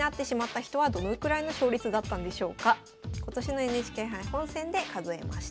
今年のＮＨＫ杯本戦で数えました。